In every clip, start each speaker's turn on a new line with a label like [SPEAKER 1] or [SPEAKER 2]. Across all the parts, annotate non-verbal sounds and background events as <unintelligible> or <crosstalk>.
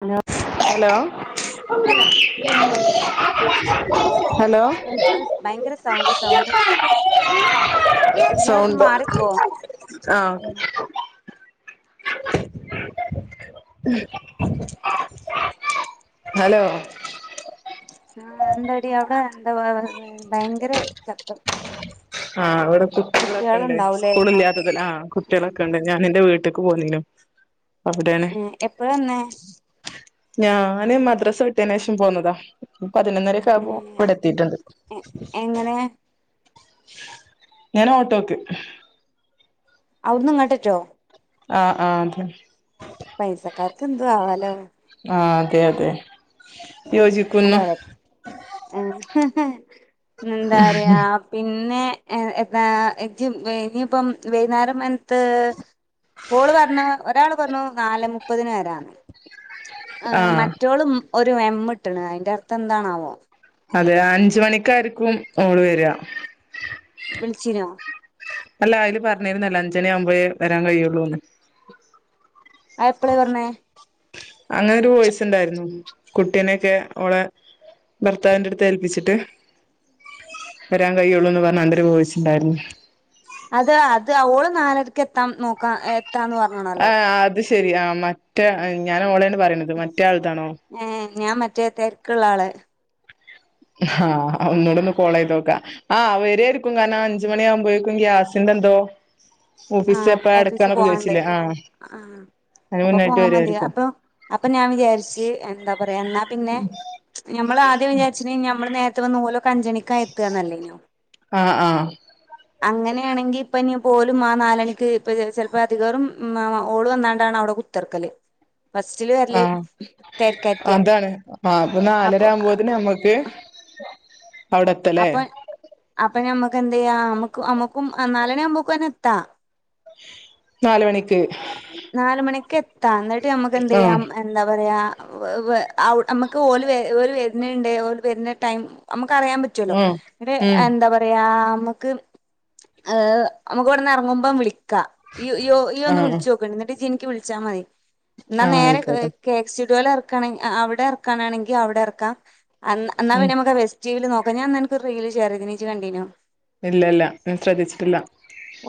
[SPEAKER 1] Hello.
[SPEAKER 2] Hello.
[SPEAKER 1] ഉം അയ്
[SPEAKER 2] hello
[SPEAKER 1] ഇതല്ല അവ് ഭയങ്കര സൗണ്ട് സൗണ്ട്. ഇയ്യവ്ട്ന്ന്
[SPEAKER 2] സൗണ്ടോ
[SPEAKER 1] മാറിക്കോ
[SPEAKER 2] ആഹ്
[SPEAKER 1] ഉം.
[SPEAKER 2] ഹലോ.
[SPEAKER 1] ആഹ് എന്തടി അവ്ടെ എന്ത ഭയങ്കര ശബ്ദം.
[SPEAKER 2] ആഹ് ഇവിടെ കുട്ട്യളൊക്കെണ്ട്
[SPEAKER 1] കുട്ടികളുണ്ടാവൂലേ
[SPEAKER 2] സ്കൂള്ല്ലാത്തതൽ ആഹ് കുട്ട്യളൊക്കെണ്ട്. ഞാൻ എന്റെ വീട്ട്ക്ക് പോന്നീനു അവിടെണ്.
[SPEAKER 1] ഏഹ് എപ്പഴാ വന്നേ
[SPEAKER 2] ഞാന് മദ്രസ വിട്ടേനേഷം പോന്നതാ പതിനൊന്നര.
[SPEAKER 1] പിന്നെ എ എങ്ങനെ.
[SPEAKER 2] ഞാന് ഓട്ടോക്ക്.
[SPEAKER 1] അവ്ട്ന്ന് ഇങ്ങട്ടറ്റോ.
[SPEAKER 2] ആഹ് ആഹ് അതെ.
[SPEAKER 1] പൈസക്കാര്ക്ക് എന്തു ആവാലോ.
[SPEAKER 2] ആഹ് അതെ അതെ യോജി
[SPEAKER 1] എന്താപറയ എന്താ പറയ. പിന്നെ എ എന്താ ഇജ് പ ഇനിയിപ്പം വൈന്നാര മൻത്ത്. ഓള് പർഞ്ഞ് ഒരാള് പറഞ്ഞു നാലെ മുപ്പതിന് വരാന്ന്. ഏഹ്
[SPEAKER 2] ആഹ്
[SPEAKER 1] മറ്റോളും ഒരു എമ്മിട്ട്ണ് അതിന്റെ അർത്ഥം എന്താണാവോ.
[SPEAKER 2] അതെ അഞ്ചു മണിക്കായിര്ക്കും ഓള് വരിക.
[SPEAKER 1] വിൾച്ചിനോ.
[SPEAKER 2] അല്ല അയില് പറഞ്ഞിരുന്നല്ലൊ അഞ്ചണി ആകുമ്പഴേ വരാൻ കഴിയുള്ളൂന്ന്.
[SPEAKER 1] അ എപ്പളെ പറഞ്ഞേ.
[SPEAKER 2] അങ്ങനെരു വോയിസുണ്ടായിര്ന്നു കുട്ടിനെക്കെ ഓളെ. ഭർത്താവിന്റെട്ത്ത് ഏൽപ്പിച്ചിട്ട്. വരാൻ കഴിയുള്ളൂന്ന് പറഞ്ഞാണ്ട് ഒരു വോയിസുണ്ടായിരുന്നു.
[SPEAKER 1] അത് അത് ഓള് നാലര്ക്ക് എത്താൻ നോക്കാം എത്താന്ന് പ
[SPEAKER 2] ഏഹ് അത് ശെരി ആഹ് മറ്റേ ഞാന് ഓളേണ് പറയ്ണത് മറ്റേ ആൾതാണോ.
[SPEAKER 1] ഉം ഞാൻ മറ്റേ തെര്ക്ക്ള്ള ആള്.
[SPEAKER 2] ആഹ് ഒന്നൂടെന്ന് കോളയ്തോക്ക. ആഹ് വര്വയ്ര്ക്കും കാരണം അഞ്ച് മണിയാവുമ്പഴേക്കും ഗ്യാസിന്റെന്തോ. ഓഫീസ്
[SPEAKER 1] ആഹ്
[SPEAKER 2] എപ്പോഴ
[SPEAKER 1] ഓഫീസ്
[SPEAKER 2] അടക്കന്നൊക്കെ
[SPEAKER 1] പോവാണ്ട്
[SPEAKER 2] ചോയ്ച്ചിലെ ആഹ്.
[SPEAKER 1] ആഹ്
[SPEAKER 2] അയ്ന് മുന്നെയ്ട്ട് വര്വയ്ര്ക്കും.
[SPEAKER 1] അപ്പ ഞാൻ വിചാരിച്ച് എന്താ പറയാ എന്നാ പിന്നെ. ഞമ്മള് ആദ്യം വിചാര്ച്ചിനെ ഞമ്മള് നേര്ത്തെ വന്ന് ഓലൊക്കെ അഞ്ചണിക്കാ എത്തുകാന്നല്ലേനോ.
[SPEAKER 2] ആഹ് ആഹ്.
[SPEAKER 1] അങ്ങനെണെങ്കി ഇപ്പഞ്ഞ് ഇപ്പോലും ആ നാലണിക്ക് ഇപ്പം <unintelligible> ചെലപ്പൊ അധികേറും മ മ ഓള് വന്നാണ്ടാണ് അവ്ടെ കു ത്തർക്കല്. ഫസ്റ്റില്
[SPEAKER 2] ആ
[SPEAKER 1] വരല് തെര്ക്കാര്ത്ത്യ
[SPEAKER 2] അതാണ് ആ നാലര
[SPEAKER 1] അപ്പൊ ആ.
[SPEAKER 2] ആകുമ്പോത്തിന് നമ്മക്ക്
[SPEAKER 1] ഉ <inaudible>
[SPEAKER 2] അവിടെ എത്തല്ലേ
[SPEAKER 1] അപ്പ അപ്പ ഞമ്മക്കെന്തെയ്യാ. ഞമ്മക്ക് നമ്മുക്കും നാലുമണ്യാവു മ്പോക്ക്വന്നെ എത്താം.
[SPEAKER 2] നാല് മണിക്ക്.
[SPEAKER 1] നാല് മണിക്ക് എത്താം എന്നിട്ട് നമുക്ക്
[SPEAKER 2] ആ
[SPEAKER 1] എന്തെയ്യാം. എന്താ പറയാ വ് വ് അവ് നമ്മക്ക് ഓല് വെ ഓല് വര്ന്ണ്ട് ഓല് വര്ണ ടൈം. നമുക്ക് അറിയാൻ പറ്റുവല്ലോ.
[SPEAKER 2] ആ
[SPEAKER 1] എന്നിട്ട്
[SPEAKER 2] ഉം
[SPEAKER 1] എന്താ പറ യാ അമ്മുക്ക് ഏഹ് നമുക്കിവിടുന്ന് എറങ്ങുമ്പോ വിളിക്കാം. ഈ ഇയൊന്ന്
[SPEAKER 2] ആഹ്
[SPEAKER 1] വിളിച്ച് നോക്കു. എന്നിട്ട് ഇജിന്നിക്കി വിളിച്ചാ മതി. എന്നാ
[SPEAKER 2] ആഹ്
[SPEAKER 1] നേരെ
[SPEAKER 2] ആയിക്കോട്ടെ
[SPEAKER 1] കേ സ്റ്റുഡിയോവിൽ എറക്കാണെ അവടെ എറക്കാണെങ്കിൽ അവടെ എറക്കാം അന്നാ
[SPEAKER 2] ഉം
[SPEAKER 1] പിന്നെ നമുക്ക് വെ <unintelligible> നോക്കാം. ഞാൻ നിനക്ക് ഒരു റീൽ ഷെയർ ചെയ്തിന് ഇജ്ജ് കണ്ടീനോ?
[SPEAKER 2] ഇല്ലല്ല. ഞാൻ ശ്രദ്ധിച്ചിട്ടില്ല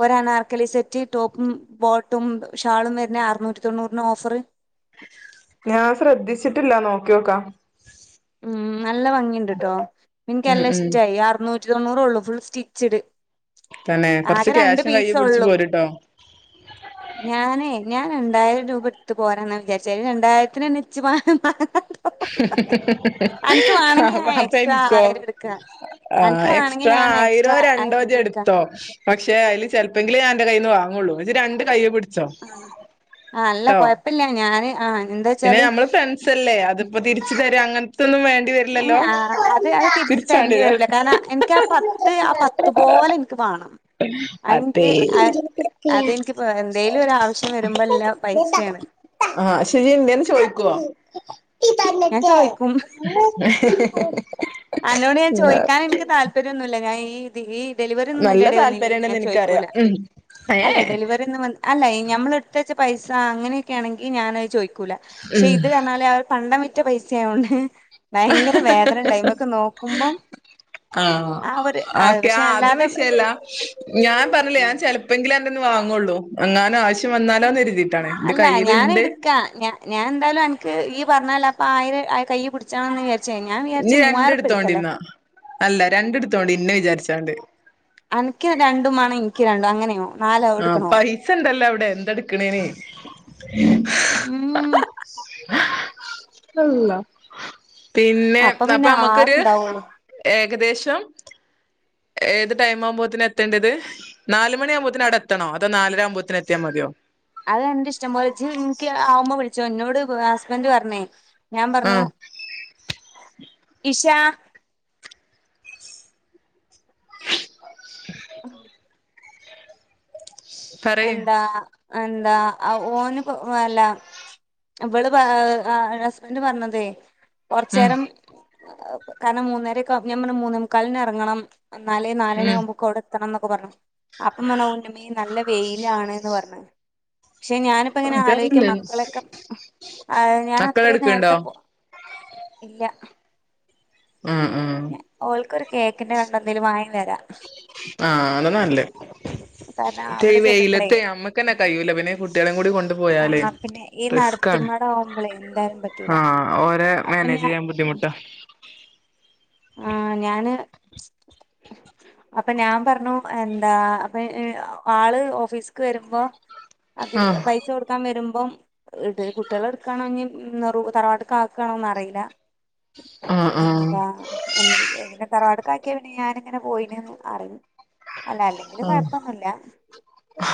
[SPEAKER 1] ഒരനാർക്കലി സെറ്റ് ടോപ്പും ബോ ട്ടും ഷാളും വരുന്ന അറുനൂറ്റി തൊണ്ണൂറിന് ഓഫറ്.
[SPEAKER 2] ഞാൻ ശ്രദ്ധിച്ചിട്ടില്ല നോക്കി നോക്കാം.
[SPEAKER 1] ഉം നല്ല ഭംഗിയുണ്ട് ട്ടോ എനിക്ക്
[SPEAKER 2] ഉം
[SPEAKER 1] നല്ല
[SPEAKER 2] ഉം
[SPEAKER 1] ഇഷ്ടായി. അറുനൂറ്റി തൊണ്ണൂറുള്ളു. ഫുൾ സ്റ്റിച്ചിട്
[SPEAKER 2] തന്നെ. കൊറച്ച് ക്യാഷും കയ്യി പിടിച്ചു
[SPEAKER 1] ഒള്ളൂ
[SPEAKER 2] പോര്ട്ടോ
[SPEAKER 1] <inaudible> ഞാനേ ഞാൻ രണ്ടായിരം രൂപ എടുത്ത് പോരാന്നാ വിചാരിച്ചേ. രണ്ടായിരത്തിനന്നെ <unintelligible>
[SPEAKER 2] <unintelligible>
[SPEAKER 1] ഞാൻ
[SPEAKER 2] അപ്പം
[SPEAKER 1] എക്സ്ട്രാ
[SPEAKER 2] എനിക്കോ?
[SPEAKER 1] ആയിരം എടുക്കാ അൻക്ക്
[SPEAKER 2] ആഹ്
[SPEAKER 1] വാണെങ്കി
[SPEAKER 2] എക്സ്ട്രാ
[SPEAKER 1] ഞാൻ
[SPEAKER 2] ആയിരോ
[SPEAKER 1] എക്സ്ട്രാ
[SPEAKER 2] രണ്ടോ
[SPEAKER 1] ആയിരം
[SPEAKER 2] ഇജ്ജ് എടു
[SPEAKER 1] എടുക്കാ
[SPEAKER 2] ത്തോ പക്ഷേ അയില് ചെലപ്പോങ്കില് ഞാൻ അൻ്റെ കയ്യിന്ന് വാങ്ങുള്ളൂ. <unintelligible> രണ്ട് കൈയ്യേ പിടിച്ച്
[SPEAKER 1] ആഹ് അല്ല കൊഴപ്പില്ല ഞാന്. ആഹ് എന്താ
[SPEAKER 2] പിന്നെ
[SPEAKER 1] വെച്ചാല്
[SPEAKER 2] <unintelligible> അതിപ്പോ തിരിച്ചു തരുക അങ്ങനത്തൊന്നും വേണ്ടി വരു ല്ലല്ലോ
[SPEAKER 1] ഏഹ് അത് അത് തിരിച്ച്
[SPEAKER 2] തിരിച്ചു തരേണ്ടി
[SPEAKER 1] തരണ്ടി വരൂല കാരണം
[SPEAKER 2] വരുവോ
[SPEAKER 1] എനിക്കാ പത്ത് ആ പത്ത് പോലെ ഇൻക്ക് വാണം അതെനിക്ക്
[SPEAKER 2] അതെ
[SPEAKER 1] അ- അതെനിക്ക് പ- എന്തേലും ഒരു ആവശ്യം വരുമ്പോ എല്ലാം പൈസയാണ്
[SPEAKER 2] ആഹ് ശെരി എന്തിയെന്ന് ചോദിക്കോ? നീ
[SPEAKER 1] ഞാൻ
[SPEAKER 2] പറഞ്ഞിട്ട്.
[SPEAKER 1] ചോദിക്കും അന്നോട് ഞാൻ ചോദിക്കാൻ എനിക്ക് താല്പര്യൊന്നുവില്ല. ഞാൻ ഈഹ് ഈ ഡെലിവറിയോന്നും ഇതിന്റെ
[SPEAKER 2] നല്ല
[SPEAKER 1] എടെൽ വന്നില്ലേ ഞാൻ
[SPEAKER 2] താല്പര്യംണ്ടെന്ന്
[SPEAKER 1] ചോദിക്കൂല.
[SPEAKER 2] എനിക്കറിയാം ഉം
[SPEAKER 1] അല്ല
[SPEAKER 2] ഏഹ്
[SPEAKER 1] ഡെലിവറി ഒന്നും വ അല്ല ഈ ഞമ്മള് എടുത്ത വച്ച പൈസ അങ്ങനെക്കെ ആണെങ്കിൽ ഞാനത് ചോദിക്കൂല. പക്ഷെ
[SPEAKER 2] ഉം
[SPEAKER 1] ഇത് പറഞ്ഞാല് അവ പണ്ടം വിറ്റ പൈസയായോണ്ട് ഭയങ്കര വേദന ഉണ്ടായി നമ്മക്ക് നോക്കുമ്പം.
[SPEAKER 2] ആഹ്
[SPEAKER 1] ആ ഒരു ആ,
[SPEAKER 2] ഓക്കെ
[SPEAKER 1] പക്ഷെ
[SPEAKER 2] ആഹ് അത്
[SPEAKER 1] അല്ലാതെ
[SPEAKER 2] വിഷയല്ല. ഞാൻ പറഞ്ഞില്ലേ ഞാൻ ചെല പ്പങ്കിലേ അൻ്റെന്ന് വാങ്ങുള്ളൂ. എന്നാലും ആവശ്യം വന്നാലോന്ന് കരുതിയിട്ടാണ്. എന്റെ കയ്യില്ണ്ട്.
[SPEAKER 1] എടുക്കാ ക്കാ ഞാൻ ഞാൻ എന്തായാലും അനക്ക് ഇയ്യ് പറഞ്ഞതല്ലേ അപ്പ ആയിരം കയ്യി പിടിച്ചോളാന്ന് വിചാരി ച്ച് ഞാൻ വിചാരിച്ചു
[SPEAKER 2] ഇനി
[SPEAKER 1] മൂവായിരുറുപ്പിയ എടുക്കല്ലേ
[SPEAKER 2] രണ്ടെടുത്തോണ്ടിന്നാ അല്ല രണ്ടിടത്തോണ്ട് ഇന്നെ വിചാരിച്ചോണ്ട്.
[SPEAKER 1] അനക്ക് രണ്ടും മേണം എനിക്ക് രണ്ടും അങ്ങനെയോ നാലോ
[SPEAKER 2] ആഹ്
[SPEAKER 1] എടുക്കണോ
[SPEAKER 2] പൈസ ഇണ്ടല്ലോ അവടെ എന്തെടുക്കണേന്
[SPEAKER 1] ഉം
[SPEAKER 2] അള്ള പിന്നെ
[SPEAKER 1] അപ്പൊ
[SPEAKER 2] അപ്പ
[SPEAKER 1] പിന്നെ
[SPEAKER 2] നമ്മക്കൊരു
[SPEAKER 1] ആറുണ്ടാവുള്ളൂ
[SPEAKER 2] ഏകദേശം ഏത് ടൈം ആവുമ്പോത്തിന് എത്തേണ്ടത് നാല് മണിയാകുമ്പോത്തിന് അവടെ എത്തണോ അതോ നാലരാകുമ്പോത്തിന് എത്തിയാ മതിയോ
[SPEAKER 1] അത് അന്റെ ഇഷ്ടംപോലെ ഇജ്ജ് ഇൻക്ക് ആവുമ്മ വിളിച്ചോ എന്നോട് ഹസ്ബൻന്റ് പറഞ്ഞേ ഞാൻ പറഞ്ഞു
[SPEAKER 2] ആഹ്
[SPEAKER 1] ആ
[SPEAKER 2] പറയ്
[SPEAKER 1] എന്താ എന്താ ഓനു വല്ല ഇബള് ആഹ്‌ ഹസ്ബൻന്റ് പറഞ്ഞതേ
[SPEAKER 2] ഉം
[SPEAKER 1] കൊറച്ചേരം കാരണം മൂന്നേരക്കാ ഞാൻ പറഞ്ഞു മൂന്നേമുക്കാലിന് എറങ്ങണം എന്നാലേ
[SPEAKER 2] ഉം
[SPEAKER 1] നാല്മണിയാവുമ്പോക്ക് അവിടെ എത്തണംന്നൊക്കെ പറഞ്ഞു അപ്പം പറഞ്ഞു <unintelligible> നല്ല തിലാണ്ന്ന് പറഞ് പക്ഷെ ഞാനിപ്പോങ്ങനെ ആലോയി ക്കാ
[SPEAKER 2] ഇതാണല്ലേ
[SPEAKER 1] മക്കളൊക്കെ ആ ഞാൻ
[SPEAKER 2] മക്കള്
[SPEAKER 1] അത്രയും
[SPEAKER 2] എടുക്ക്ണ്ടോ
[SPEAKER 1] നേരത്തെ പോവാ ഇല്ല
[SPEAKER 2] ആഹ് ആഹ്
[SPEAKER 1] ഓൽക്കൊരു കേക്കിന്റെ കണ്ട ന്തെങ്കിലും വാങ്ങി വരാം
[SPEAKER 2] ആഹ് അത് തന്നെ
[SPEAKER 1] കാരണം
[SPEAKER 2] നല്ലത്
[SPEAKER 1] അവിടെ
[SPEAKER 2] ഈ
[SPEAKER 1] ചെല്ലുമ്പളേ
[SPEAKER 2] വെയിലത്ത് നമ്മക്കെന്നെ കയ്യൂല പിന്നെ കുട്ടിയെളീം കൂടി കൊണ്ട് പോയാല്
[SPEAKER 1] ആഹ് പിന്നെ ഈ
[SPEAKER 2] റിസ്ക്കാണ്
[SPEAKER 1] നടത്തുമ്മട ആവുമ്പളേ എന്തായാലും പറ്റൂല അപ്പൊ ഞാൻ
[SPEAKER 2] മാനേജിയ്യാൻ ബുദ്ധിമുട്ട
[SPEAKER 1] ആഹ് ഞാന് അപ്പൊ ഞാൻ പറഞ്ഞു എന്താ അപ്പൊ ആള് ഓഫീസ്ക്ക് വരുമ്പോ അഭി
[SPEAKER 2] ആഹ്
[SPEAKER 1] പൈസ കൊടുക്കാൻ വരുമ്പം ഇത് കുട്ടിയെളെ എടുക്കണോ ഇഞ്ഞി തറവാട്ടിക്ക് ആക്കാണോന്നറിയില്ല
[SPEAKER 2] ആഹ് ആഹ്
[SPEAKER 1] എന്താ എന്ത് പിന്നെ തറവാടക്ക് ആക്കിയാ പിന്നെ ഞാനങ്ങനെ പോയിന്നേ ന്ന് അറിയും അല്ല അല്ലെങ്കിലും
[SPEAKER 2] ആഹ്
[SPEAKER 1] കുഴപ്പൊന്നുല്ല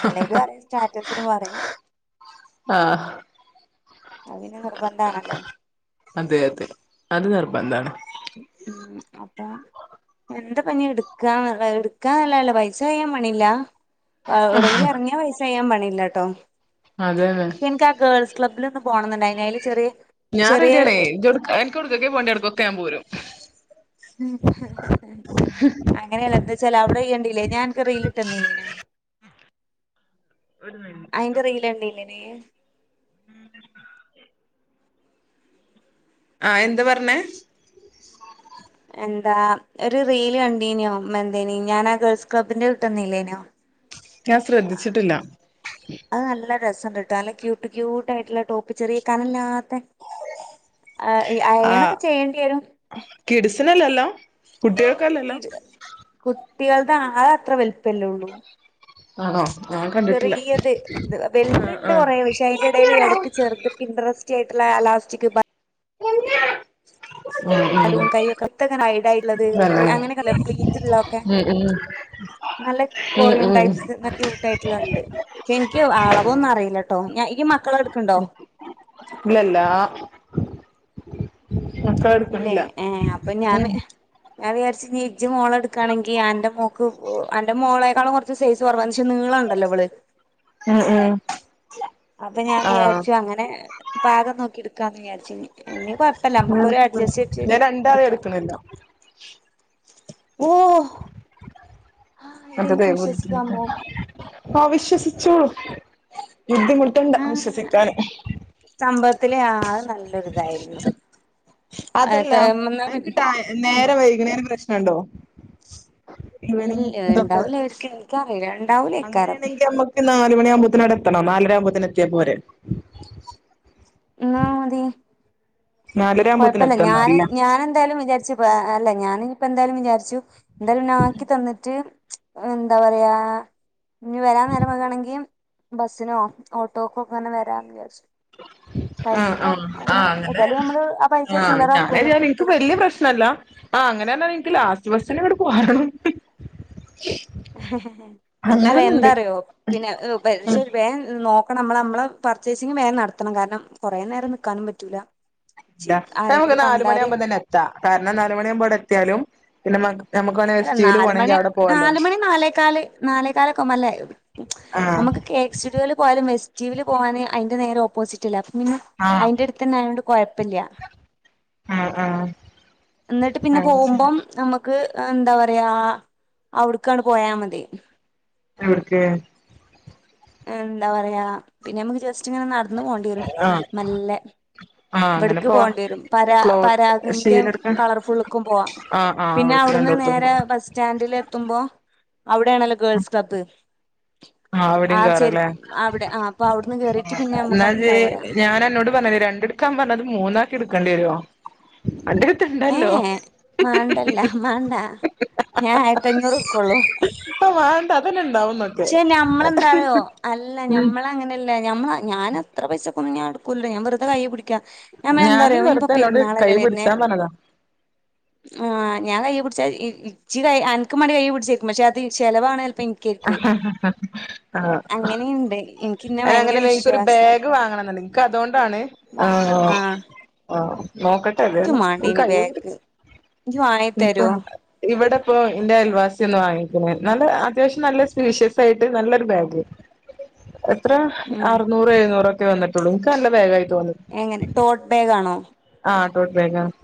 [SPEAKER 1] അല്ലെങ്കിലും അറിയും സ്റ്റാറ്റസിടുമ്പോ അറിയും
[SPEAKER 2] ആഹ്
[SPEAKER 1] അത്‌ പിന്നെ നിർബന്ധ ആണല്ലോ
[SPEAKER 2] അതെ അതെ അത് നിർബന്താണ്
[SPEAKER 1] ഉം അപ്പൊ എന്തപ്പഞ് എടുക്കാ എടുക്കാന്നല്ല പൈസ കയ്യാൻ പണില്ല എവിടെങ്കിലും ഇറങ്ങിയ പൈസ കയ്യാൻ പണിയില്ലാട്ടോ
[SPEAKER 2] അതെന്നെ
[SPEAKER 1] എനിക്ക് ആ ഗേൾസ് ക്ലബ്ബിൽ ഒന്ന് പോണംന്നുണ്ടായിന്നു അതി ല് ചെറിയ
[SPEAKER 2] ഞാൻ
[SPEAKER 1] ചെറിയ
[SPEAKER 2] റെഡിയാണേ ഇജ്ജ് എവ്ടക്കൊക്കെ അനക്ക എവിടുക്കൊക്കെ പോണ്ടിഅവിടുക്കൊക്കെ ഞാൻ പോരും
[SPEAKER 1] ഉം അങ്ങനെയല്ല എന്താച്ചാല് അവിടെ യ്യണ്ടീലേ ഞാൻ അനക് റീല് ട്ടന്നില്ലേനോ അയിന്റെ റീല് കണ്ടീല്ലേനിയ്യ്
[SPEAKER 2] ആഹ് എന്ത് പറഞ്ഞേ
[SPEAKER 1] എന്താ ഒരു റീല് കണ്ടീനോ എന്തേനി ഞാനാ ഗേൾസ് ക്ലബ്ബിന്റെ വിട്ടന്നീ ല്ലേനോ
[SPEAKER 2] ഞാൻ ശ്രദ്ധിച്ചിട്ടില്ല
[SPEAKER 1] അത് നല്ല രസണ്ട്ട്ടോ നല്ല ക്യൂട്ട് ക്യൂട്ടാ യിട്ടുള്ള ടോപ്പ് ചെറിയ കനല്ലാത്ത
[SPEAKER 2] ആഹ്
[SPEAKER 1] അയേണൊക്കെ ചെയ്യണ്ടി വരും
[SPEAKER 2] കിഡ്സിനല്ലല്ലോ കുട്ടിയേൾക്കല്ലല്ലോ
[SPEAKER 1] കുട്ടിയേൾതാ അത്‌ അത്ര വല് പ്പല്ലള്ളൂ
[SPEAKER 2] ആണോ ഞാൻ കണ്ടിട്ടില്ല
[SPEAKER 1] ചെറിയത് ഇത്
[SPEAKER 2] ആഹ്
[SPEAKER 1] വലുത്ണ്ട് കൊറേ പക്ഷെ അ- തിന്റെടയിൽ
[SPEAKER 2] ആഹ്
[SPEAKER 1] ഇടക്ക് ചേർന്ന് പിന്ട്രെസ്റ്റ് ആയിട്ടുള്ള അലാസ്റ്റിക് ബ -
[SPEAKER 2] ഉം തന്നെ
[SPEAKER 1] ബലൂൺ കൈയൊക്കെ <unintelligible> യിട്ടുള്ളത് അങ്ങനൊക്കെല്ല പ്ലീറ്റുള്ള തൊക്കെ
[SPEAKER 2] ഉം ഉം
[SPEAKER 1] നല്ല കൊറിയൻ
[SPEAKER 2] ഉം ഉം
[SPEAKER 1] ടൈപ്സ് ക്യൂട്ടായിട്ടുള്ളണ്ട് പക്ഷെ എനിക്ക് അളവൊന്നും അറിയില്ലട്ടോ ഞ ഇയ്യ്‌
[SPEAKER 2] ഇല്ലല്ലാ
[SPEAKER 1] ഇല്ലേ ഏഹ് അപ്പൊ ഞാന്
[SPEAKER 2] ഉം
[SPEAKER 1] ഞാൻ വിചാരിച്ച് ഞ് ഇജ് മോളെടുക്കുകയാണെങ്കിൽ അന്റെമോൾക്ക് അന്റെ മോളേക്കളും കുറ സൈസ് കുറവാന്ന് നീളുണ്ടല്ലോ അവള്
[SPEAKER 2] ഉം ഉം
[SPEAKER 1] അപ്പ ഞാൻ
[SPEAKER 2] ആഹ്
[SPEAKER 1] വിചാരിച്ചു അങ്ങനെ പാകം നോക്കി ഇട് ക്കാന്ന് വിചാരിച് ഇനി കൊയപ്പല്ല
[SPEAKER 2] ഞാൻ
[SPEAKER 1] നമ്മുക്കൊര്
[SPEAKER 2] എടുക്ക
[SPEAKER 1] അഡ്ജസ്റ്റ് ചെയ്ത്ട്ട്
[SPEAKER 2] ഞാൻ രണ്ടാളീം
[SPEAKER 1] ഇട്ക്കാ ഓ ആ
[SPEAKER 2] അതെ
[SPEAKER 1] ഇതെനിക്ക് വിശ്വസിക്കാമോ
[SPEAKER 2] <unintelligible> ഓ വിശ്വസിച്ചു ബുദ്ധിമുട്ടുണ്ട്
[SPEAKER 1] ആ
[SPEAKER 2] വിശ്വസിക്കാന്
[SPEAKER 1] സംഭവത്തില് ആ അത് നല്ലൊര് ഇതായിര്ന്നു
[SPEAKER 2] അതല്ല അൻക്ക്
[SPEAKER 1] പിന്നെ
[SPEAKER 2] ടൈ നേരം വൈക്ണെന് പ്രശ്നണ്ടോ ഇവനിംഗ് തൊക്കെ
[SPEAKER 1] <unintelligible> ഇൻക്കറീല ഇണ്ടാവും
[SPEAKER 2] അങ്ങനെണെങ്കി നമ്മക്ക് നാല് മണി ആവുമ്പോത്തിന് അവ്‌ടെ എത്തണോ നാലര ആവുമ്പോത്തിന് എത്തിയാ പോരെ
[SPEAKER 1] ന്നാ മതി
[SPEAKER 2] നാലര ആകുമ്പോത്തിന്
[SPEAKER 1] കോഴപ്പല്ല ഞാന്
[SPEAKER 2] എത്തണംന്നല്ല
[SPEAKER 1] ഞാന് എന്തായാലും വിചാരിച്ച് അല്ല ഞാന് ഇനി ഇപ്പ എന്തായാലും വിചാരിച്ചു എന്തായാലും ഇന്നെ ആക്കി തന്നിട്ട് എന്താ പറയാ ഇഞ് വരാൻ നേരം വെഗ്ഗാണെങ്കി ബസ്സിനോ ഓട്ടോക്കോക്കങ്ങനെ വരാ വിചാരിച്ചു
[SPEAKER 2] ആഹ്
[SPEAKER 1] പൈസ
[SPEAKER 2] ആഹ് ആഹ്
[SPEAKER 1] അന്ന്
[SPEAKER 2] അങ്ങനെ
[SPEAKER 1] ഏതായാലും ഞമ്മള്
[SPEAKER 2] ആഹ് ഞാനേതെ ഇൻക്ക് വല്ല്യ പ്രശ്നല്ല ആ അങ്ങനന്നെ ഇൻക്ക് ലാസ്റ്റ് ബസ്സ്ന് ഇങ്ങട് പോരണം
[SPEAKER 1] അല്ല
[SPEAKER 2] അങ്ങനൊന്നുണ്ട്
[SPEAKER 1] എന്താറിയോ പിന്നെ പരി
[SPEAKER 2] ഉം
[SPEAKER 1] ഷ വേം നോ ഇപ്പ നമ്മള നമ്മളെ പർച്ചേസിങ്ങ് വേം നട്ത്തണം കാര്ണം കോറേ നേരം നിക്കാനും പറ്റൂല ചീ
[SPEAKER 2] ഇല്ല നമുക്ക്
[SPEAKER 1] ആരെങ്കിലും
[SPEAKER 2] നാല്
[SPEAKER 1] കണ്ടാല്
[SPEAKER 2] മണിയാവുമ്പം തന്നെ എത്താ കാരണം നാല് മണിയാവുമ്പോ അവ്ടെ എത്തിയാലും പിന്നെ മ നമുക്ക് വേണേ
[SPEAKER 1] അല്ല
[SPEAKER 2] എസ് ടി യുല് പോണെങ്കി
[SPEAKER 1] നാലുമണി
[SPEAKER 2] അവിടെ പോവാല്ലോ
[SPEAKER 1] നാലുമണി നാലേകാല് നാലേകാലൊക്കെ ആവുമ്പ നല്ലേ
[SPEAKER 2] ആഹ്
[SPEAKER 1] നമുക്ക് കേക്ക് സ്റ്റുഡിയോല് പോയാലും വെസ്റ്റീവ്ല് പോവാന് അയിന്റെ നേരെ ഓപ്പോസിറ്റ ല്ലേ അപ്പ പിന്നെ
[SPEAKER 2] ആഹ്
[SPEAKER 1] അയിന്റെ എട്ത്തന്നെ അയോണ്ട് കോഴപ്പല്ല
[SPEAKER 2] ആഹ് ആഹ്
[SPEAKER 1] ന്നട്ട് പിന്നെ
[SPEAKER 2] അത് ശരി
[SPEAKER 1] പോവുമ്പം നമു ക്ക് എന്താ പറയാ അവ്ട്ക്കാണ്ട് പോയാ മതി
[SPEAKER 2] എവിട്ക്ക്
[SPEAKER 1] എന്താ പറയാ പിന്നെ നമുക്ക് ജസ്റ്റ് ഇങ്ങനെ നട്ന്ന് പോണ്ടി വെരും
[SPEAKER 2] ആഹ്
[SPEAKER 1] മെല്ലെ
[SPEAKER 2] ആഹ് അങ്ങനെ
[SPEAKER 1] ഇവട്ക്ക്
[SPEAKER 2] പോവാ
[SPEAKER 1] പോണ്ടി വരും പരാ
[SPEAKER 2] ക്ലോത്ത്
[SPEAKER 1] പരാഗ്ന്റെ
[SPEAKER 2] ശീലെടുക്കാൻ
[SPEAKER 1] കളർ ഫുൾക്കും പോവ
[SPEAKER 2] ആഹ് ആഹ്
[SPEAKER 1] പിന്നെ
[SPEAKER 2] അവിടക്ക്
[SPEAKER 1] അവ്ട്ന്ന്
[SPEAKER 2] രണ്ടോടത്തും
[SPEAKER 1] നേരെ
[SPEAKER 2] പോവാ
[SPEAKER 1] ബസ് സ്റ്റാൻഡില് എത്തുമ്പോ അവ്ടെണല്ലോ ഗേൾസ് ക്ലബ്
[SPEAKER 2] ആ അവ്‌ടിം കേറ ലെ
[SPEAKER 1] അവിടെ ആ അപ്പൊ അവിടുന്ന് കേറിട്ട് പിന്നെ
[SPEAKER 2] ന്നാ
[SPEAKER 1] നമ്മുക്കവിടെ
[SPEAKER 2] ഇജ്ജ്
[SPEAKER 1] പോരാ
[SPEAKER 2] ഞാന് അന്നോട് പർഞ്ഞത് രണ്ട് ക്കാം പർഞ്ഞത് മൂന്നാക്കി ഇട്ക്കണ്ടി വരോ അന്റട്ത്ത് ഇ
[SPEAKER 1] ഏ ഏ മാണ്ടല്ല മാണ്ട ഞാൻ ആയിത്തഞ്ഞൂറ് ഇട്ക്കെള്ളു
[SPEAKER 2] ഇപ്പം. വാണ്ട അതന്നെ ഇണ്ടാവുന്നൊക്കെ
[SPEAKER 1] ഞമ്മളെന്താറിയോ അല്ല
[SPEAKER 2] ഉം
[SPEAKER 1] ഞമ്മളെ അങ്ങനല്ല ഞമ്മള ഞാന് അത്ര പൈസക്കൊന്നും ഞാ ഇട് ക്കൂല ഞാൻ വെറ്ത കയ്യ് പിടിക്ക ഞാൻ
[SPEAKER 2] ഞാനും
[SPEAKER 1] എന്താറിയോ ഇഞ്ഞിപ്പ
[SPEAKER 2] വെറുതെ അന്നോട് കൈ
[SPEAKER 1] പെര്ന്നാളല്ലേ വര്നെ
[SPEAKER 2] പിടിച്ചാൻ പറഞ്ഞതാ
[SPEAKER 1] ആ ഞാൻ കയ്യി പിട്ച്ച ഇ ഇച്ചി കൈ അൻക്ക് മാണ്ടി കയ്യ് പിടിച്ചേക്കും പക്ഷെ അത് ചെലവാണ് ചെൽപ്പ ഇൻ
[SPEAKER 2] ആഹ്
[SPEAKER 1] അങ്ങനിണ്ട്
[SPEAKER 2] അത് അങ്ങനെല്ല ഇൻക്കൊരു ബെഗ് വാങ്ങണംന്ന്ണ്ട് ക്ക അതൊണ്ടാണ് ആ ആ നോക്കട്ടെ
[SPEAKER 1] ഇക്കും
[SPEAKER 2] ഏതായാലും
[SPEAKER 1] മാണ്ടേനി ബാഗ്
[SPEAKER 2] <unintelligible>
[SPEAKER 1] ഇജ്ജ് വാങ്ങി
[SPEAKER 2] ഇൻക്ക്
[SPEAKER 1] തരോ
[SPEAKER 2] <unintelligible> ഇവടെ ഇപ്പോ ഇന്റെ അയൽവാസിയൊന്ന് വാങ്ങിക്കണ് നല്ല അത്യാവിശ്യം നല്ല സ്പീഷ്യസ് ആയിട്ട് നല്ലൊരു ബാഗ് എത്ര
[SPEAKER 1] ഉം
[SPEAKER 2] അർനൂറ് എഴുന്നൂറൊക്കെ വന്നിട്ടുള്ളൂ ഇനിക്ക് നല്ല ബാഗായി തോന്നി.
[SPEAKER 1] എങ്ങനെ ടോട്ട് ബാഗാണോ?
[SPEAKER 2] ആഹ് ടോട്ട് ബാഗാണ്.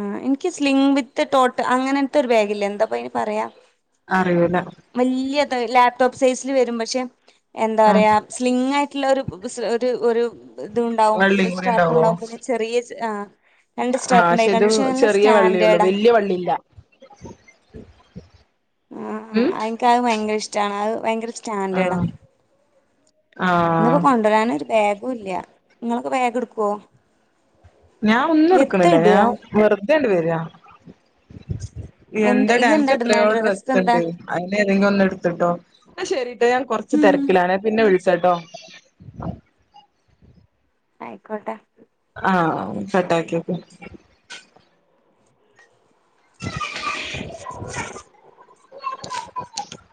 [SPEAKER 1] ആഹ് ഇനിക്ക് സ്ലിങ്ങ് വിത്ത് ടോട്ട് അങ്ങനെൻത്തെ ഒരു ബാഗില്ലേ എന്താപ്പ അയിന് പറയാ
[SPEAKER 2] അറിയൂല.
[SPEAKER 1] വല്ല്യത് ലാപ്ടോപ്പ് സൈസില് വരും പക്ഷേ എന്താ
[SPEAKER 2] ആഹ്
[SPEAKER 1] പറയാ സ്ലിംഗ് ആയിട്ടുള്ള ഒരു ഒരു ഇതുണ്ടാവും
[SPEAKER 2] വള്ളിയും
[SPEAKER 1] ഒരു
[SPEAKER 2] കൂടി
[SPEAKER 1] സ്ട്രാപ്പ്
[SPEAKER 2] ഉണ്ടാവോ
[SPEAKER 1] ഉണ്ടാവും പിന്നെ ചെറിയ ചെ ആഹ്
[SPEAKER 2] ആഹ് പക്ഷേ ഇത് ചെറിയ വള്ളിയൊള്ളു
[SPEAKER 1] സ്റ്റാൻഡേർഡാ
[SPEAKER 2] വല്ല്യ വള്ളില്ല. ഉം
[SPEAKER 1] ആ എനിക്ക് അത് ഭയങ്കര ഇഷ്ടാണ് അത് ഭയങ്കര സ്റ്റാൻന്റെട
[SPEAKER 2] ആഹ്
[SPEAKER 1] ഇന്നിപ്പോ
[SPEAKER 2] ആഹ്
[SPEAKER 1] കൊണ്ടൊരാൻ ഒരു ബാഗും ഇല്ല. ഇങ്ങളൊക്കെ വേഗം ഇടുക്കോ?
[SPEAKER 2] ഞാൻ ഒന്നും ഇടുക്കണില്ല
[SPEAKER 1] ഇടുക
[SPEAKER 2] ഞാൻ വെറുതേണ്ട് വരാ - എന്ത
[SPEAKER 1] എന്താ
[SPEAKER 2] ഡാ
[SPEAKER 1] ഇയ്യ്
[SPEAKER 2] അനക്ക്
[SPEAKER 1] എന്താ ഇടുന്നെ
[SPEAKER 2] എത്രയോ
[SPEAKER 1] ഡ്രസ് എന്താ
[SPEAKER 2] ഡ്രസ്സുണ്ട് അതിൽ ഏതെങ്കിലും ഒന്ന് എടുത്തിട്ടോ ഇന്നാ ശെരിട്ടൊ ഞാൻ കൊറച്ച്
[SPEAKER 1] ഉം
[SPEAKER 2] തെരക്കിലാണ് പിന്നെ വിളിച്ചാട്ടോ.
[SPEAKER 1] ആയിക്കോട്ടെ.
[SPEAKER 2] ആഹ് ഫട്ടാക്കിയൊക്ക് <inaudible>